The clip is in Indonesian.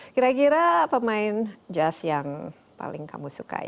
kira kira pemain jazz yang paling kamu suka ya